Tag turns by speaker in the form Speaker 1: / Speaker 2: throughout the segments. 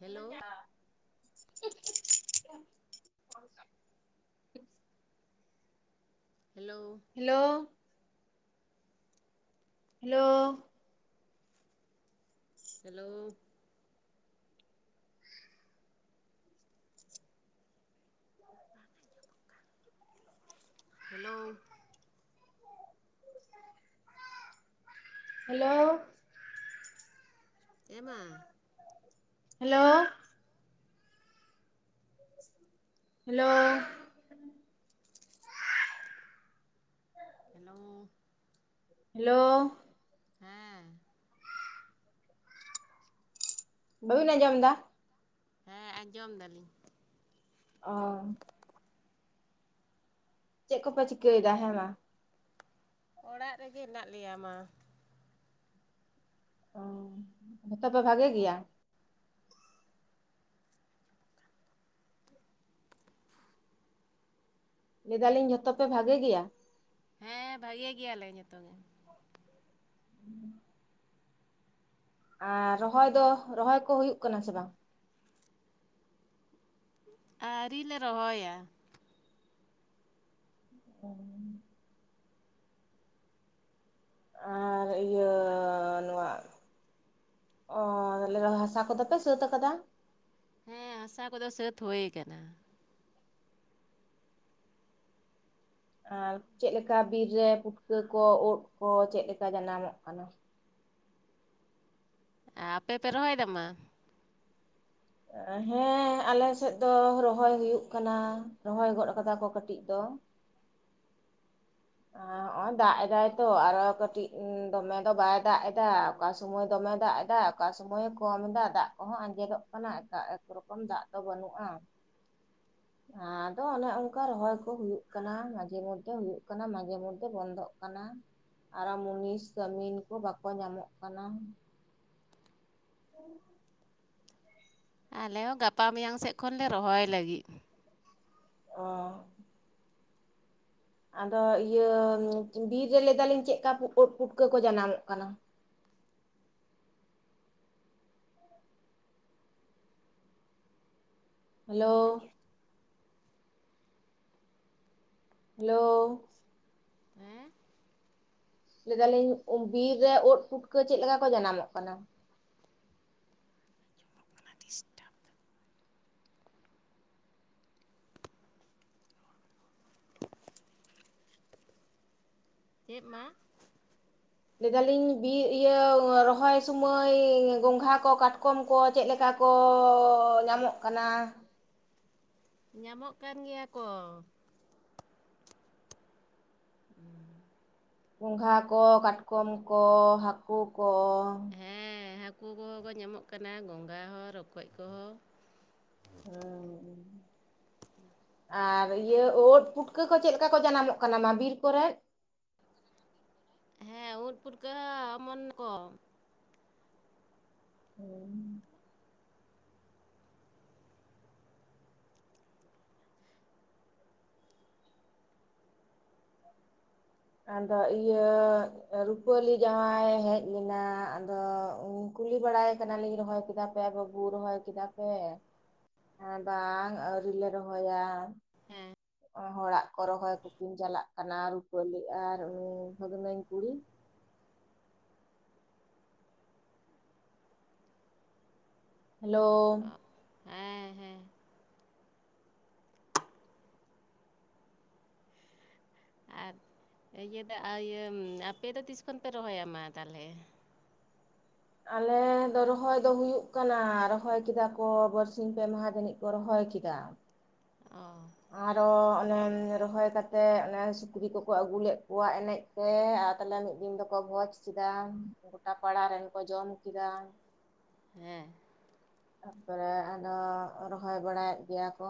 Speaker 1: Hello.
Speaker 2: [inaudible]
Speaker 1: Hello.
Speaker 2: Hello. Hello.
Speaker 1: Hello. Hello.
Speaker 2: Hello.
Speaker 1: ᱮ ᱢᱟ᱾
Speaker 2: Hello. [inaudible] Hello.
Speaker 1: Hello.
Speaker 2: Hello.
Speaker 1: ᱦᱮᱸ᱾
Speaker 2: ᱵᱟᱹᱵᱤᱱ ᱟᱸᱡᱚᱢ ᱫᱟ᱾
Speaker 1: ᱦᱮᱸ ᱟᱸᱡᱚᱢ ᱫᱟᱞᱤᱧ᱾
Speaker 2: ᱚ᱾ ᱪᱮᱫ ᱠᱚᱯᱮ ᱪᱤᱠᱟᱹᱭᱮᱫᱟ ᱦᱮᱸ ᱢᱟ?
Speaker 1: ᱚᱲᱟᱜ ᱨᱮᱜᱮ ᱦᱮᱱᱟᱜ ᱞᱮᱭᱟ ᱢᱟ᱾
Speaker 2: ᱚ ᱡᱷᱚᱛᱚ ᱯᱮ ᱵᱷᱟᱜᱮ ᱜᱮᱭᱟ? ᱞᱟᱹᱭ ᱫᱟᱞᱤᱧ ᱡᱷᱚᱛᱚ ᱯᱮ ᱵᱷᱟᱜᱮ ᱜᱮᱭᱟ᱾
Speaker 1: ᱦᱮᱸ ᱵᱷᱟᱹᱜᱮ ᱜᱮᱭᱟᱞᱮ ᱡᱚᱛᱚ ᱜᱮ᱾
Speaker 2: [inaudible] ᱟᱨ ᱨᱚᱦᱚᱭ ᱫᱚ ᱨᱚᱦᱚᱭ ᱠᱚ ᱦᱩᱭᱩᱜ ᱠᱟᱱᱟ ᱥᱮ ᱵᱟᱝ?
Speaker 1: ᱟᱣᱨᱤ ᱞᱮ ᱨᱚᱦᱚᱭᱟ᱾
Speaker 2: ᱚ᱾ ᱟᱨ ᱤᱭᱟᱹ ᱱᱚᱣᱟ ᱚ ᱦᱟᱥᱟ ᱠᱚᱫᱚ ᱯᱮ ᱥᱟᱹᱛ ᱟᱠᱟᱫᱟ?
Speaker 1: ᱦᱮᱸ ᱦᱟᱥᱟ ᱠᱚᱫᱚ ᱥᱟᱹᱛ ᱦᱳᱭ ᱟᱠᱟᱱᱟ᱾
Speaker 2: ᱟᱨ ᱪᱮᱫᱠᱟ ᱵᱤᱨ ᱨᱮ ᱯᱩᱴᱠᱟᱹ ᱠᱚ ᱩᱫᱽ ᱠᱚ ᱪᱮᱫᱠᱟ ᱡᱟᱱᱟᱢᱚᱜ ᱠᱟᱱᱟ?
Speaker 1: ᱟᱨ ᱟᱯᱮ ᱯᱮ ᱨᱚᱦᱚᱭ ᱫᱟ ᱢᱟ?
Speaker 2: ᱦᱮᱸ ᱟᱞᱮ ᱥᱮᱫ ᱫᱚ ᱨᱚᱦᱚᱭ ᱦᱩᱭᱩᱜ ᱠᱟᱱᱟ, ᱨᱚᱦᱚᱭ ᱜᱚᱫ ᱠᱟᱫᱟ ᱠᱚ ᱠᱟᱹᱴᱤᱡ ᱫᱚ᱾ ᱟ ᱚ ᱟ ᱫᱟᱜ ᱮᱫᱟᱭ ᱛᱚ ᱟᱨᱚ ᱠᱟᱹᱴᱤᱡ ᱫᱚᱢᱮ ᱫᱚ ᱵᱟᱭ ᱫᱟᱜ ᱮᱫᱟ᱾ ᱚᱠᱟ ᱥᱚᱢᱚᱭ ᱫᱚᱢᱮ ᱫᱟᱜ ᱮᱫᱟ᱾ ᱚᱠᱟ ᱥᱚᱢᱚᱭᱮ ᱠᱚᱢ ᱮᱫᱟ ᱫᱟᱜ ᱠᱚᱦᱚᱸ ᱟᱸᱡᱮᱫᱚᱜ ᱠᱟᱱᱟ ᱮᱠᱟ ᱮᱠ ᱨᱚᱠᱚᱢ ᱫᱟᱜ ᱫᱚ ᱵᱟᱹᱱᱩᱜᱼᱟ᱾ ᱟᱫᱚ ᱚᱱᱮ ᱚᱱᱠᱟ ᱨᱚᱦᱚᱭ ᱠᱚ ᱦᱩᱭᱩᱜ ᱠᱟᱱᱟ, ᱢᱟᱡᱷᱮ ᱢᱚᱫᱽᱫᱷᱮ ᱦᱩᱭᱩᱜ ᱠᱟᱱᱟ ᱢᱟᱡᱷᱮ ᱢᱚᱫᱽᱫᱷᱮ ᱵᱚᱱᱫᱚᱜ ᱠᱟᱱᱟ᱾ ᱟᱨᱚ ᱢᱩᱱᱤᱥ ᱠᱟᱹᱢᱤᱱ ᱠᱚ ᱵᱟᱠᱚ ᱧᱟᱢᱚᱜ ᱠᱟᱱᱟ᱾ [inaudible]
Speaker 1: ᱟᱞᱮ ᱦᱚᱸ ᱜᱟᱯᱟ ᱢᱮᱭᱟᱝ ᱥᱮᱫ ᱠᱷᱚᱱᱞᱮ ᱨᱚᱦᱚᱭ ᱞᱟᱹᱜᱤᱫ᱾
Speaker 2: ᱚᱻ᱾ ᱟᱫᱚ ᱤᱭᱟᱹ ᱵᱤᱨ ᱨᱮ ᱞᱟᱹᱭᱮᱫᱟᱞᱤᱧ ᱪᱮᱫᱠᱟ ᱩᱫ ᱯᱩᱴᱠᱟᱹ ᱠᱚ ᱡᱟᱱᱟᱢᱚᱜ ᱠᱟᱱᱟ? ᱦᱮᱞᱳ᱾ ᱦᱮᱞᱳ᱾
Speaker 1: ᱦᱮᱸ᱾
Speaker 2: ᱞᱟᱹᱭ ᱮᱫᱟᱞᱤᱧ ᱵᱤᱨ ᱨᱮ ᱳᱫ ᱯᱩᱴᱠᱟᱹ ᱪᱮᱫ ᱞᱮᱠᱟ ᱠᱚ ᱡᱟᱱᱟᱢᱚᱜ ᱠᱟᱱᱟ?
Speaker 1: ᱚᱱᱟ ᱰᱤᱥᱴᱟᱯ ᱫᱟᱭ᱾ ᱪᱮᱫ ᱢᱟ
Speaker 2: ᱞᱟᱭᱫᱟᱞᱤᱧ ᱵᱤᱨ ᱤᱭᱟᱹ ᱨᱚᱦᱚᱭ ᱥᱚᱢᱚᱭ ᱜᱚᱝᱜᱷᱟ ᱠᱚ ᱠᱟᱴᱠᱚᱢ ᱠᱚ ᱪᱮᱫ ᱞᱮᱠᱟ ᱠᱚᱻ ᱧᱟᱢᱚᱜ ᱠᱟᱱᱟ?
Speaker 1: ᱧᱟᱢᱚᱜ ᱠᱟᱱ ᱜᱮᱭᱟ ᱠᱚ᱾
Speaker 2: ᱜᱚᱸᱜᱷᱟ ᱠᱚ ᱠᱟᱴᱠᱚᱢ ᱠᱚ ᱦᱟᱹᱠᱩ ᱠᱚ᱾
Speaker 1: ᱦᱮᱸ ᱦᱟᱹᱠᱩ ᱠᱚᱦᱚᱸ ᱠᱚ ᱧᱟᱢᱚᱜ ᱠᱟᱱᱟ ᱜᱚᱝᱜᱷᱟ ᱦᱚᱸ ᱨᱚᱠᱚᱡ ᱠᱚᱦᱚᱸ᱾
Speaker 2: [inaudible] ᱟᱨ ᱤᱭᱟᱹ ᱳᱫ ᱯᱩᱴᱠᱟᱹ ᱠᱚ ᱪᱮᱫ ᱞᱮᱠᱟ ᱠᱚ ᱡᱟᱱᱟᱢᱚᱜ ᱠᱟᱱᱟ ᱢᱟ ᱵᱤᱨ ᱠᱚᱨᱮᱫ?
Speaker 1: ᱦᱮᱸ ᱩᱫ ᱯᱷᱩᱴᱠᱟᱹ ᱦᱚᱸ ᱚᱢᱚᱱ ᱠᱚ᱾
Speaker 2: [inaudible] ᱟᱫᱚ ᱤᱭᱟᱹ ᱨᱩᱯᱟᱹᱞᱤ ᱡᱟᱶᱟᱭᱮ ᱦᱮᱡ ᱞᱮᱱᱟ ᱟᱫᱚ ᱠᱩᱞᱤ ᱵᱟᱲᱟᱭᱮ ᱠᱟᱱᱟᱞᱤᱧ ᱨᱚᱦᱚᱭ ᱠᱮᱫᱟ ᱯᱮ ᱵᱟᱹᱵᱩ ᱨᱚᱦᱚᱭ ᱠᱮᱫᱟ ᱯᱮ? ᱦᱮᱸ ᱵᱟᱝ ᱟᱣᱨᱤ ᱞᱮ ᱨᱚᱦᱚᱭᱟ᱾
Speaker 1: ᱦᱮᱸ᱾
Speaker 2: ᱦᱚᱲᱟᱜ ᱠᱚ ᱨᱚᱦᱚᱭ ᱠᱚᱠᱤᱱ ᱪᱟᱞᱟᱜ ᱠᱟᱱᱟ ᱨᱩᱯᱟᱹᱞᱤ ᱟᱨ ᱩᱱᱤ ᱵᱟᱹᱜᱱᱟᱧ ᱠᱩᱲᱤ᱾ ᱦᱮᱞᱳ᱾
Speaker 1: ᱚ ᱦᱮᱸ ᱦᱮᱸ᱾ ᱟᱨ ᱤᱭᱟᱹ ᱫᱚ ᱤᱭᱟᱹ ᱟᱯᱮᱫᱚ ᱛᱤᱥ ᱠᱷᱚᱱ ᱯᱮ ᱨᱚᱦᱚᱭᱟ ᱢᱟ ᱛᱟᱦᱚᱞᱮ?
Speaker 2: ᱟᱞᱮ ᱫᱚ ᱨᱚᱦᱚᱭ ᱫᱚ ᱦᱩᱭᱩᱜ ᱠᱟᱱᱟ ᱨᱚᱦᱚᱭ ᱠᱮᱫᱟ ᱠᱚ ᱵᱟᱨᱥᱤᱧ ᱯᱮ ᱢᱟᱦᱟ ᱡᱟᱹᱱᱤᱡ ᱠᱚ ᱨᱚᱦᱚᱭ ᱠᱮᱫᱟ᱾
Speaker 1: ᱚᱻ᱾
Speaker 2: ᱟᱨᱚ ᱚᱱᱮ ᱨᱚᱦᱚᱭ ᱠᱟᱛᱮᱫ ᱚᱱᱮ ᱥᱩᱠᱨᱤ ᱠᱚᱠᱚ ᱟᱹᱜᱩ ᱞᱮᱫ ᱠᱚᱣᱟ ᱮᱱᱮᱡ ᱛᱮ ᱟᱨ ᱛᱟᱦᱚᱞᱮ ᱢᱤᱫ ᱫᱤᱱ ᱫᱚᱠᱚ ᱵᱷᱚᱡᱽ ᱠᱮᱫᱟ ᱜᱚᱴᱟ ᱯᱟᱲᱟ ᱨᱮᱱ ᱠᱚ ᱡᱚᱢ ᱠᱮᱫᱟ᱾
Speaker 1: ᱦᱮᱸ᱾
Speaker 2: ᱛᱟᱯᱚᱨᱮ ᱟᱫᱚ ᱨᱚᱦᱚᱭ ᱵᱟᱲᱟᱭᱮᱫ ᱜᱮᱭᱟ ᱠᱚ᱾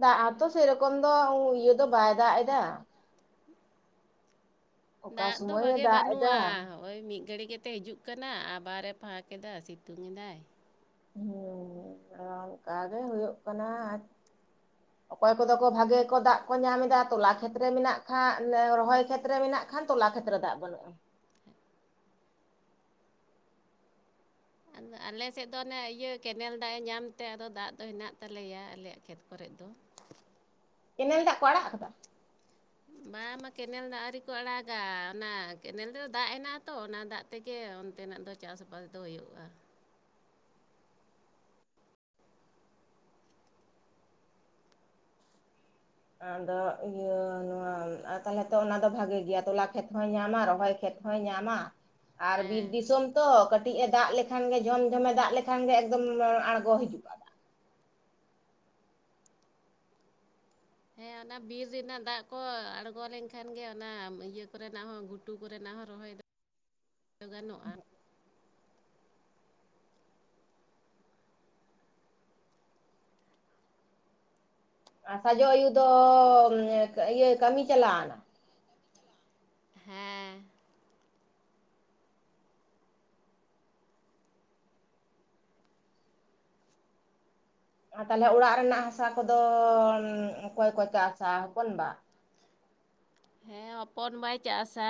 Speaker 2: ᱫᱟᱜ ᱦᱚᱸ ᱛᱚ ᱥᱮᱨᱚᱠᱚᱢ ᱫᱚ ᱤᱭᱟᱹ ᱫᱚ ᱵᱟᱭ ᱫᱟᱜ ᱮᱫᱟ᱾ ᱚᱠᱟ
Speaker 1: ᱫᱟᱜ ᱫᱚ
Speaker 2: ᱥᱚᱢᱚᱭᱮ
Speaker 1: ᱵᱷᱟᱜᱮ
Speaker 2: ᱫᱟᱜ ᱮᱫᱟ
Speaker 1: ᱵᱟᱹᱱᱩᱜᱼᱟ᱾ ᱦᱳᱭ ᱢᱤᱫ ᱜᱷᱟᱹᱲᱤᱡ ᱠᱟᱛᱮ ᱦᱤᱡᱩᱜ ᱠᱟᱱᱟ ᱟᱵᱟᱨᱮ ᱯᱷᱟᱸᱠ ᱮᱫᱟ ᱥᱤᱛᱩᱝ ᱮᱫᱟᱭ᱾
Speaker 2: ᱦᱩᱻ ᱚᱱᱠᱟ ᱜᱮ ᱦᱩᱭᱩᱜ ᱠᱟᱱᱟ᱾ ᱚᱠᱚᱭ ᱠᱚᱫᱚ ᱠᱚ ᱵᱷᱟᱜᱮ ᱠᱚ ᱫᱟᱜ ᱠᱚ ᱧᱟᱢ ᱮᱫᱟ ᱛᱚᱞᱟ ᱠᱷᱮᱛ ᱨᱮ ᱢᱮᱱᱟᱜ ᱠᱷᱟᱱ ᱨᱚᱦᱚᱭ ᱠᱷᱮᱛ ᱨᱮ ᱢᱮᱱᱟᱜ ᱵᱟᱠᱷᱟᱱ ᱛᱚᱞᱟ ᱠᱷᱮᱛ ᱨᱮ ᱫᱟᱜ ᱵᱟᱹᱱᱩᱜᱼᱟ᱾
Speaker 1: ᱟᱫᱚ ᱟᱞᱮᱥᱮᱫ ᱫᱚ ᱚᱱᱮ ᱤᱭᱟᱹ ᱠᱮᱱᱮᱞ ᱫᱟᱜ-ᱮ ᱧᱟᱢ ᱛᱮ ᱟᱫᱚ ᱫᱟᱜ ᱫᱚ ᱦᱮᱱᱟᱜ ᱛᱟᱞᱮᱭᱟ ᱟᱞᱮᱭᱟᱜ ᱠᱷᱮᱛ ᱠᱚᱨᱮᱫ ᱫᱚ᱾
Speaker 2: ᱠᱮᱱᱮᱞ ᱫᱟᱜ ᱠᱚ ᱟᱲᱟᱜ ᱟᱠᱟᱫᱟ?
Speaker 1: ᱵᱟᱝ ᱢᱟ ᱠᱮᱱᱮᱞ ᱫᱟᱜ ᱟᱹᱣᱨᱤ ᱠᱚ ᱟᱲᱟᱜᱟ ᱚᱱᱟ ᱠᱮᱱᱮᱞ ᱨᱮᱫᱚ ᱫᱟᱜ ᱦᱮᱱᱟᱜᱼᱟ ᱛᱚ ᱚᱱᱟ ᱫᱟᱜ ᱛᱮᱜᱮ ᱚᱱᱛᱮᱱᱟᱜ ᱫᱚ ᱪᱟᱥ ᱵᱟᱥ ᱫᱚ ᱦᱩᱭᱩᱜᱼᱟ᱾
Speaker 2: ᱟᱫᱚ ᱤᱭᱟᱹ ᱱᱚᱣᱟ ᱟᱫᱚ ᱛᱟᱦᱞᱮ ᱛᱚ ᱚᱱᱟ ᱫᱚ ᱵᱷᱟᱜᱮ ᱜᱮᱭᱟ ᱛᱚᱞᱟ ᱠᱷᱮᱛ ᱦᱚᱸᱭ ᱧᱟᱢᱟ ᱨᱚᱦᱚᱭ ᱠᱷᱮᱛ ᱦᱚᱸᱭ ᱧᱟᱢᱟ ᱟᱨ ᱵᱤᱨ
Speaker 1: ᱦᱮᱸ
Speaker 2: ᱫᱤᱥᱚᱢ ᱛᱚ ᱠᱟᱹᱴᱤᱡ ᱮ ᱫᱟᱜ ᱞᱮᱠ ᱠᱷᱟᱱ ᱜᱮ ᱡᱷᱚᱢ ᱡᱷᱚᱢᱮ ᱫᱟᱜ ᱞᱮᱠᱷᱟᱱ ᱜᱮ ᱮᱠᱫᱚᱢ ᱟᱬᱜᱚ ᱦᱤᱡᱩᱜᱼᱟ᱾
Speaker 1: ᱦᱮᱸ ᱚᱱᱟ ᱵᱤᱨ ᱨᱮᱱᱟᱜ ᱫᱟᱜ ᱠᱚ ᱟᱬᱜᱚ ᱞᱮᱱᱠᱷᱟᱱ ᱜᱮ ᱚᱱᱟ ᱤᱭᱟᱹ ᱠᱚᱨᱮᱱᱟᱜ ᱦᱚᱸ ᱜᱷᱩᱴᱩ ᱠᱚᱨᱮᱱᱟᱜ ᱦᱚᱸ ᱨᱚᱦᱚᱭ ᱫᱚ ᱜᱟᱱᱚᱜᱼᱟ᱾
Speaker 2: ᱟᱨ ᱥᱟᱡᱚ ᱟᱹᱭᱩ ᱫᱚ ᱤᱭᱟᱹ ᱠᱟᱹᱢᱤ ᱪᱟᱞᱟᱣ ᱮᱱᱟ᱾
Speaker 1: ᱦᱮᱸ᱾
Speaker 2: ᱛᱟᱦᱚᱞᱮ ᱚᱲᱟᱜ ᱨᱮᱱᱟᱜ ᱦᱟᱥᱟ ᱠᱚᱫᱚ ᱚᱠᱚᱭ ᱠᱚ ᱪᱟᱥ-ᱟ ᱦᱚᱯᱚᱱ ᱵᱟ?
Speaker 1: ᱦᱮᱸ ᱦᱚᱯᱚᱱ ᱵᱟᱭ ᱪᱟᱥᱟ᱾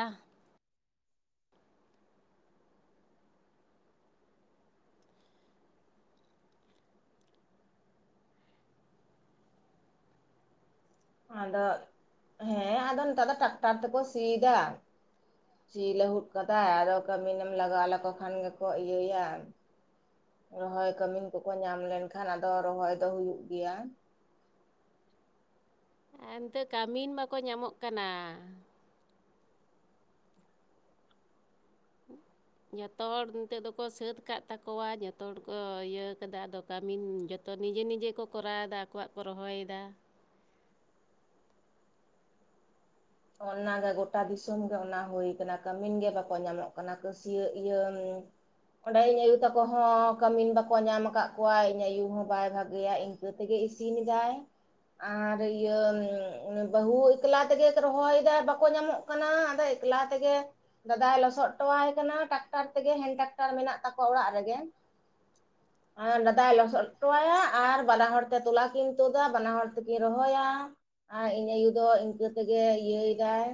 Speaker 2: ᱟᱫᱚ ᱦᱮᱸ ᱟᱫᱚ ᱱᱮᱛᱟᱨ ᱫᱚ ᱴᱨᱟᱠᱴᱟᱨ ᱛᱮᱠᱚ ᱥᱤᱭᱮᱫᱟ᱾ ᱥᱤ ᱞᱟᱹᱦᱩᱫ ᱠᱟᱫᱟ ᱟᱫᱚ ᱠᱟᱹᱢᱤᱱᱮᱢ ᱞᱟᱜᱟᱣ ᱞᱮᱠᱚ ᱠᱷᱟᱱ ᱜᱮᱠᱚ ᱤᱭᱟᱹᱭᱟ᱾ ᱨᱚᱦᱚᱭ ᱠᱟᱹᱢᱤᱱ ᱠᱚᱠᱚ ᱧᱟᱢ ᱞᱮᱱᱠᱷᱟᱱ ᱟᱫᱚ ᱨᱚᱦᱚᱭ ᱫᱚ ᱦᱩᱭᱩᱜ ᱜᱮᱭᱟ᱾
Speaker 1: ᱟᱨ ᱱᱤᱛᱚᱜ ᱠᱟᱹᱢᱤᱱ ᱵᱟᱠᱚ ᱧᱟᱢᱚᱜ ᱠᱟᱱᱟ᱾
Speaker 2: [unintelligible]
Speaker 1: ᱡᱷᱚᱛᱚ ᱦᱚᱲ ᱱᱤᱛᱚᱜ ᱫᱚᱠᱚ ᱥᱟᱹᱛ ᱠᱟᱫ ᱛᱟᱠᱚᱣᱟ ᱡᱷᱚᱛᱚ ᱦᱚᱲ ᱠᱚ ᱤᱭᱟᱹᱣ ᱠᱟᱫᱟ ᱟᱫᱚ ᱠᱟᱹᱢᱤᱱ ᱡᱚᱛᱚ ᱱᱤᱡᱮ ᱱᱤᱡᱮ ᱠᱚ ᱠᱚᱨᱟᱣ ᱫᱟ ᱟᱠᱚᱣᱟᱜ ᱠᱚ ᱨᱚᱦᱚᱭᱮᱫᱟ᱾
Speaker 2: ᱚᱱᱟ ᱜᱮ ᱜᱚᱴᱟ ᱫᱤᱥᱚᱢ ᱜᱮ ᱚᱱᱟ ᱦᱩᱭ ᱠᱟᱱᱟ ᱠᱟᱹᱢᱤᱱ ᱜᱮ ᱵᱟᱠᱚ ᱧᱟᱢᱚᱜ ᱠᱟᱱᱟ ᱠᱟᱹᱥᱭᱟᱹᱜ ᱤᱭᱟᱹ ᱚᱸᱰᱮ ᱤᱧ ᱟᱹᱭᱩ ᱛᱟᱠᱚ ᱦᱚᱸ ᱠᱟᱹᱢᱤᱱ ᱵᱟᱠᱚ ᱧᱟᱢ ᱟᱠᱟᱫ ᱠᱚᱣᱟ ᱤᱧ ᱟᱭᱩ ᱦᱚᱸ ᱵᱟᱭ ᱵᱷᱟᱜᱮᱭᱟ ᱤᱧ ᱤᱱᱠᱟᱹ ᱛᱮᱜᱮ ᱤᱥᱤᱱᱮᱫᱟᱭ ᱟᱨ ᱤᱭᱟᱹ ᱵᱟᱹᱦᱩ ᱮᱠᱞᱟ ᱛᱮᱜᱮ ᱨᱚᱦᱚᱭ ᱫᱟᱭ ᱵᱟᱠᱚ ᱧᱟᱢᱚᱜ ᱠᱟᱱᱟ ᱟᱫᱚ ᱮᱠᱞᱟ ᱛᱮᱜᱮ ᱫᱟᱫᱟᱭ ᱞᱚᱥᱚᱫ ᱦᱚᱴᱚᱣᱟᱭ ᱠᱟᱱᱟ ᱴᱨᱟᱠᱴᱟᱨ ᱛᱮᱜᱮ ᱦᱮᱱᱰ ᱴᱨᱟᱠᱴᱟᱨ ᱢᱮᱱᱟᱜ ᱛᱟᱠᱚᱣᱟ ᱚᱲᱟᱜ ᱨᱮᱜᱮ ᱾ [unintelligible] ᱟᱨ ᱫᱟᱫᱟᱭ ᱞᱚᱥᱚᱫ ᱦᱚᱴᱚ ᱟᱭᱟ ᱟᱨ ᱵᱟᱱᱟ ᱦᱚᱲ ᱛᱮ ᱛᱚᱞᱟ ᱠᱤᱱ ᱛᱩᱫᱟ ᱵᱟᱱᱟ ᱦᱚᱲ ᱛᱮᱠᱤᱱ ᱨᱚᱦᱚᱭᱟ ᱾ ᱟᱨ ᱤᱧ ᱟᱹᱭᱩ ᱫᱚ ᱤᱱᱠᱟᱹ ᱛᱮᱜᱮ ᱤᱭᱟᱹᱭ ᱮᱫᱟᱭ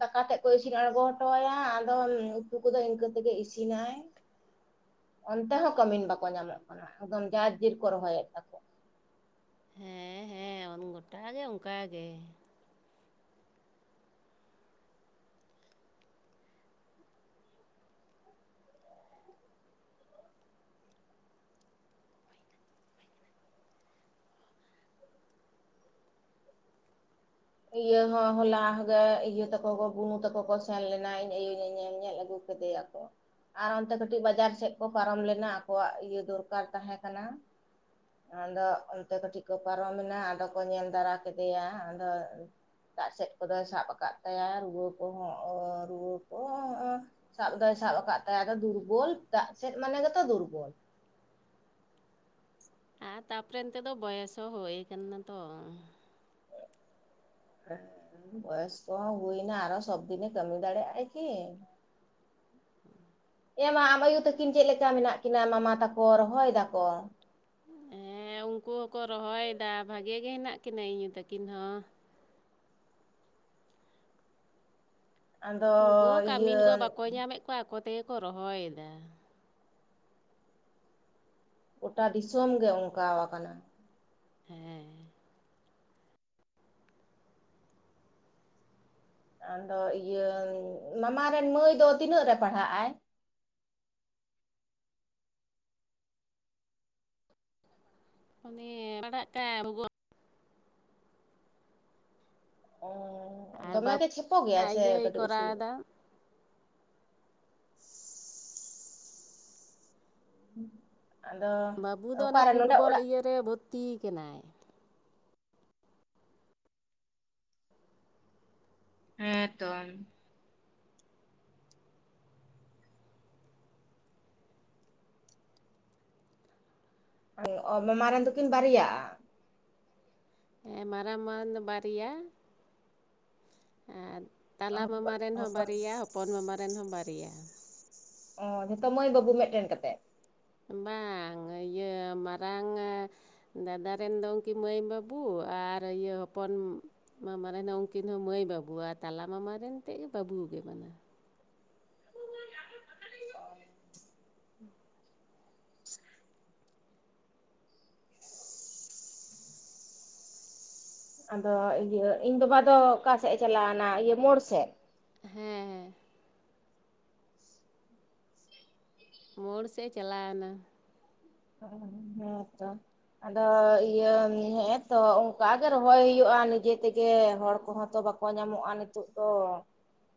Speaker 2: ᱫᱟᱠᱟ ᱛᱮᱫ ᱠᱚ ᱤᱥᱤᱱ ᱟᱬᱜᱚ ᱦᱚᱴᱚ ᱟᱭᱟ ᱟᱫᱚ ᱩᱛᱩ ᱠᱚᱫᱚ ᱤᱱᱠᱟᱹ ᱛᱮᱜᱮ ᱤᱥᱤᱱᱟᱭ ᱾ ᱚᱱᱛᱮ ᱦᱚᱸ ᱠᱟᱹᱢᱤᱱ ᱵᱟᱠᱚ ᱧᱟᱢᱚᱜ ᱠᱟᱱᱟ ᱮᱠᱫᱚᱢ ᱡᱟᱨ ᱡᱤᱨ ᱠᱚ ᱨᱚᱦᱚᱭᱮᱫ ᱛᱟᱠᱚᱣᱟ ᱾
Speaker 1: ᱦᱮᱸ ᱦᱮᱸ ᱾ ᱜᱚᱴᱟ ᱜᱮ ᱚᱱᱠᱟ ᱜᱮ ᱾
Speaker 2: ᱤᱭᱟᱹ ᱦᱚᱸ ᱦᱚᱞᱟ ᱜᱮ ᱤᱭᱟᱹ ᱛᱟᱠᱚ ᱵᱩᱱᱩ ᱛᱟᱠᱚ ᱠᱚ ᱥᱮᱱ ᱞᱮᱱᱟ ᱤᱧ ᱟᱹᱭᱩ ᱧᱮᱧᱮᱞ ᱧᱮᱞ ᱟᱹᱜᱩ ᱠᱮ ᱠᱮᱫᱮᱭᱟ ᱠᱚ ᱾ ᱟᱨ ᱚᱱᱛᱮ ᱠᱟᱹᱴᱤᱡ ᱵᱟᱡᱟᱨ ᱥᱮᱫ ᱯᱟᱨᱚᱢ ᱞᱮᱱᱟ ᱟᱠᱚᱣᱟᱜ ᱤᱭᱟᱹ ᱫᱚᱨᱠᱟᱨ ᱛᱟᱦᱮᱸ ᱠᱟᱱᱟ ᱾ ᱟᱫᱚ ᱚᱱᱛᱮ ᱠᱟᱹᱴᱤᱡ ᱠᱚ ᱯᱟᱨᱚᱢᱮᱱᱟ ᱟᱫᱚ ᱠᱚ ᱧᱮᱞ ᱫᱟᱨᱟ ᱠᱮᱫᱮᱭᱟ ᱟᱫᱚ ᱫᱟᱜ ᱥᱮᱫ ᱠᱚᱫᱚᱭ ᱥᱟᱵ ᱟᱠᱟᱫ ᱛᱟᱭᱟ ᱨᱩᱣᱟᱹ ᱠᱚᱦᱚᱸ ᱨᱩᱣᱟᱹ ᱠᱚ ᱥᱟᱵ ᱫᱚᱭ ᱥᱟᱵ ᱟᱠᱟᱫ ᱛᱟᱭᱟ ᱟᱫᱚ ᱫᱩᱨᱵᱚᱞ ᱫᱟᱜ ᱥᱮᱫ ᱢᱟᱱᱮ ᱜᱮᱛᱚ ᱫᱩᱨᱵᱚᱞ ᱾
Speaker 1: ᱟᱨ ᱛᱟᱯᱚᱨᱮ ᱮᱱᱛᱮ ᱫᱚ ᱵᱚᱭᱮᱥ ᱦᱚᱸ ᱦᱩᱭ ᱠᱟᱱᱟ ᱛᱚ ᱾
Speaker 2: ᱵᱚᱭᱚᱥ ᱠᱚᱦᱚᱸ ᱦᱩᱭᱱᱟ ᱟᱨᱚ ᱥᱚᱵ ᱫᱤᱱᱮ ᱠᱟᱹᱢᱤ ᱫᱟᱲᱮᱭᱟᱜ-ᱟᱭ ᱠᱤ? ᱮ ᱢᱟ ᱟᱢ ᱟᱹᱭᱩ ᱛᱟᱹᱠᱤᱱ ᱪᱮᱫ ᱞᱮᱠᱟ ᱢᱮᱱᱟᱜ ᱠᱤᱱᱟ ᱢᱟᱢᱟ ᱛᱟᱠᱚ ᱨᱚᱦᱚᱭ ᱫᱟᱠᱚ?
Speaker 1: ᱦᱮᱸ ᱩᱱᱠᱩ ᱦᱚᱸᱠᱚ ᱨᱚᱦᱚᱭᱮᱫᱟ ᱵᱷᱟᱜᱮ ᱜᱮ ᱦᱮᱱᱟᱜ ᱠᱤᱱᱟᱹ ᱤᱧ ᱭᱩ ᱛᱟᱹᱠᱤᱱ ᱦᱚᱸ ᱾
Speaker 2: ᱟᱫᱚ
Speaker 1: ᱩᱱᱠᱩ ᱦᱚᱸ
Speaker 2: ᱤᱭᱟᱹ
Speaker 1: ᱠᱟᱹᱢᱤᱱ ᱠᱚ ᱵᱟᱠᱚ ᱧᱟᱢᱮᱫ ᱠᱚᱣᱟ ᱟᱠᱚ ᱛᱮᱜᱮ ᱠᱚ ᱨᱚᱦᱚᱭ ᱮᱫᱟ ᱾
Speaker 2: ᱜᱚᱴᱟ ᱫᱤᱥᱚᱢ ᱜᱮ ᱚᱱᱠᱟ ᱟᱠᱟᱱᱟ ᱾
Speaker 1: ᱦᱮᱸ ᱾
Speaker 2: ᱟᱫᱚ ᱤᱭᱟᱹ ᱢᱟᱢᱟ ᱨᱮᱱ ᱢᱟᱹᱭ ᱫᱚ ᱛᱤᱱᱟᱹᱜ ᱨᱮ ᱯᱟᱲᱦᱟᱜᱼ ᱟᱭ?
Speaker 1: ᱩᱱᱤ ᱯᱟᱲᱦᱟᱜ ᱛᱟᱦᱮᱸ [inaudible]
Speaker 2: ᱚ
Speaker 1: ᱟᱨ
Speaker 2: ᱫᱚᱢᱮ ᱜᱮ
Speaker 1: ᱵᱟᱹᱵᱩ
Speaker 2: ᱪᱷᱮᱯᱚ ᱜᱮᱭᱟ ᱥᱮ
Speaker 1: ᱤᱭᱟᱹᱭ
Speaker 2: ᱠᱟᱹᱴᱤᱡ ᱩᱥᱩᱞ ᱧᱚᱜ
Speaker 1: ᱠᱚᱨᱟᱣᱫᱟ
Speaker 2: [unintelligible]
Speaker 1: ᱵᱟᱹᱵᱩ ᱫᱚ ᱚᱱᱟ
Speaker 2: ᱚᱠᱟᱨᱮ ᱱᱚᱰᱮ
Speaker 1: ᱯᱷᱩᱴᱵᱚᱞ
Speaker 2: ᱚᱲᱟᱜ
Speaker 1: ᱤᱭᱟᱹᱨᱮ ᱵᱷᱚᱨᱛᱤ ᱟᱠᱟᱱᱟᱭ ᱾
Speaker 2: ᱦᱮᱸᱛᱚ ᱾ ᱚ ᱟᱢ ᱢᱟᱢᱟ ᱨᱮᱱ ᱫᱚᱠᱤᱱ ᱵᱟᱨᱭᱟᱜᱼᱟ
Speaker 1: ᱦᱮᱸ ᱢᱟᱨᱟᱝ ᱢᱟᱨᱟᱝ ᱫᱚ ᱵᱟᱨᱭᱟ᱾ ᱟᱨ ᱛᱟᱞᱟ ᱢᱟᱢᱟ
Speaker 2: ᱦᱚᱯᱚᱱ
Speaker 1: ᱨᱮᱱ ᱦᱚᱸ
Speaker 2: ᱦᱚᱯᱚᱱ
Speaker 1: ᱵᱟᱨᱭᱟ ᱦᱚᱯᱚᱱ ᱢᱟᱢᱟ ᱨᱮᱱ ᱦᱚᱸ ᱵᱟᱨᱭᱟ᱾
Speaker 2: ᱚᱸ ᱡᱷᱚᱛᱚ ᱢᱟᱹᱭ ᱵᱟᱹᱵᱩ ᱢᱤᱜᱴᱮᱱ ᱠᱟᱛᱮᱫ᱾
Speaker 1: ᱵᱟᱝ ᱤᱭᱟᱹ ᱢᱟᱨᱟᱝᱟᱹ ᱫᱟᱫᱟ ᱨᱮᱱ ᱫᱚ ᱩᱱᱠᱤᱱ ᱢᱟᱹᱭ ᱵᱟᱹᱵᱩ ᱟᱨ ᱤᱭᱟᱹ ᱦᱚᱯᱚᱱ ᱢᱟᱢᱟ ᱨᱮᱱ ᱦᱚᱸ ᱩᱱᱠᱤᱱ ᱦᱚᱸ ᱢᱟᱹᱭ ᱵᱟᱹᱵᱩ ᱟᱨ ᱛᱟᱞᱟ ᱢᱟᱢᱟᱨᱮᱱ ᱛᱮᱜ ᱜᱮ ᱵᱟᱹᱵᱩ ᱜᱮ ᱢᱟᱱᱮ᱾ [unintelligible]
Speaker 2: ᱟᱫᱚ ᱤᱭᱟᱹ ᱤᱧ ᱵᱟᱵᱟ ᱫᱚ ᱚᱠᱟᱥᱮᱜ ᱮ ᱪᱟᱞᱟᱣᱱᱟ ᱤᱭᱟᱹ ᱢᱳᱲ ᱥᱮᱜ?
Speaker 1: ᱦᱮᱸ ᱦᱮᱸ᱾ ᱢᱳᱲ ᱥᱮᱜ ᱮ ᱪᱟᱞᱟᱣᱱᱟ᱾
Speaker 2: ᱚ [unintelligible] ᱦᱮᱸ ᱦᱮᱸ ᱛᱚ, ᱟᱫᱚ ᱤᱭᱟᱹ ᱦᱮᱸᱛᱚ ᱚᱝᱠᱟᱜᱮ ᱨᱚᱦᱚᱭ ᱦᱩᱭᱩᱜ-ᱟ ᱱᱤᱡᱮ ᱛᱮᱜᱮ ᱦᱚᱲ ᱠᱚᱦᱚᱸ ᱛᱚ ᱵᱟ ᱠᱚ ᱧᱟᱢᱚᱜᱼᱟ ᱱᱤᱛᱚᱜ ᱫᱚ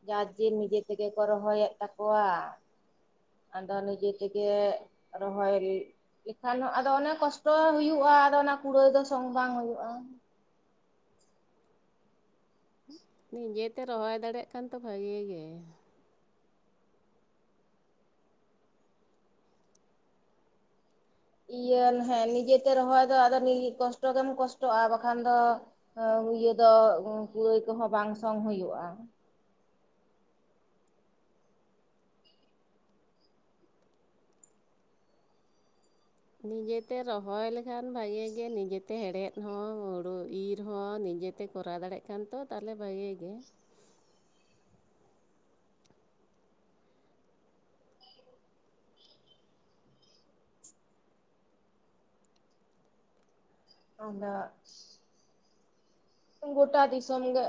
Speaker 2: ᱡᱟᱨ ᱡᱤᱨ ᱱᱤᱡᱮ ᱛᱮᱜᱮ ᱠᱚ ᱨᱚᱦᱚᱭᱮᱜ ᱛᱟᱠᱚᱣᱟ᱾ ᱟᱫᱚ ᱱᱤᱡᱮ ᱛᱮᱜᱮ ᱨᱚᱦᱚᱭ ᱞᱮᱠᱷᱟᱱ ᱦᱚᱸ ᱟᱫᱚ ᱚᱱᱮ ᱠᱚᱥᱴᱚ ᱦᱩᱭᱩᱜᱼᱟ ᱟᱫᱚ ᱚᱱᱟ ᱠᱩᱲᱟᱹᱣ ᱫᱚ ᱥᱚᱝ ᱵᱟᱝ ᱦᱩᱭᱩᱜᱼᱟ᱾
Speaker 1: ᱱᱤᱡᱮᱛᱮ ᱨᱚᱦᱚᱭ ᱫᱟᱲᱮᱭᱟᱜ ᱠᱟᱱ ᱛᱚ ᱵᱷᱟᱜᱤ ᱜᱮ᱾
Speaker 2: ᱤᱭᱟᱹ ᱦᱮᱸ ᱱᱤᱡᱮᱛᱮ ᱨᱚᱦᱚᱭ ᱫᱚ ᱟᱫᱚ [unintelligible] ᱠᱚᱥᱴᱚ ᱜᱮᱢ ᱠᱚᱥᱴᱚᱜᱼᱟ ᱵᱟᱠᱷᱟᱱ ᱫᱚ, ᱚᱸ ᱤᱭᱟᱹ ᱫᱚ ᱠᱩᱲᱟᱹᱭ ᱠᱚᱦᱚᱸ ᱵᱟᱝ ᱥᱚᱝ ᱦᱩᱭᱩᱜᱼᱟ᱾
Speaker 1: ᱱᱤᱡᱮᱛᱮ ᱨᱚᱦᱚᱭ ᱞᱮᱠᱷᱟᱱ ᱵᱷᱟᱜᱮ ᱜᱮ ᱱᱤᱡᱮᱛᱮ ᱦᱮᱲᱦᱮᱫ ᱦᱚᱸ ᱦᱩᱲᱩ ᱤᱨ ᱦᱚᱸ ᱱᱤᱡᱮᱼ ᱛᱮ ᱠᱚᱨᱟᱣ ᱫᱟᱲᱮᱜ ᱠᱷᱟᱱ ᱛᱚ ᱛᱟᱦᱚᱞᱮ ᱵᱷᱟᱜᱮ ᱜᱮ᱾
Speaker 2: ᱟᱫᱚᱜ, ᱜᱚᱴᱟ ᱫᱤᱥᱚᱢ ᱜᱮ,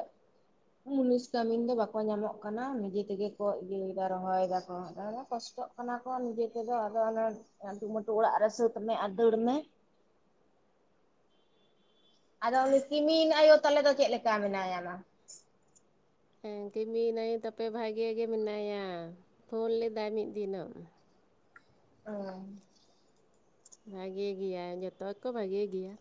Speaker 2: ᱢᱩᱱᱤᱥ ᱠᱟᱹᱢᱤᱱ ᱫᱚ ᱵᱟᱠᱚ ᱧᱟᱢᱚᱜ ᱠᱟᱱᱟ, ᱱᱤᱡᱮ ᱛᱮᱜᱮ ᱠᱚ ᱤᱭᱟᱹ ᱫᱟ ᱨᱚᱦᱚᱭ ᱫᱟ ᱠᱚ [unintelligible] ᱠᱚᱥᱴᱚᱜ ᱠᱟᱱᱟ ᱠᱚ ᱱᱤᱡᱮ ᱛᱮᱫᱚ ᱟᱫᱚ ᱚᱱᱮ ᱟᱴᱩᱢᱟᱴᱩ ᱚᱲᱟᱜ ᱨᱮ ᱥᱟᱹᱛ ᱢᱮ ᱟᱨ ᱫᱟᱹᱲ ᱢᱮ᱾ ᱟᱫᱚ ᱩᱱᱤ ᱠᱮᱢᱤᱱ ᱟᱭᱳ ᱛᱟᱞᱮ ᱫᱚ ᱪᱮᱜ ᱞᱮᱠᱟ ᱢᱮᱱᱟᱭᱟᱢᱟ?
Speaker 1: ᱦᱮᱸ ᱠᱤᱢᱤᱱᱟᱹᱭ ᱛᱟᱯᱮ ᱵᱷᱟᱜᱮ ᱜᱮ ᱢᱮᱱᱟᱭᱟ ᱯᱷᱳᱱ ᱞᱮᱫᱟᱭ ᱢᱤᱜ ᱫᱤᱱᱚᱜ᱾
Speaker 2: ᱚ,
Speaker 1: ᱵᱷᱟᱜᱮ ᱜᱮᱭᱟᱭ ᱡᱚᱛᱚ ᱜᱮᱠᱚ ᱵᱷᱟᱜᱮ ᱜᱮᱭᱟ᱾